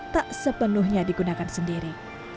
tak sepenuhnya digunakan sendiri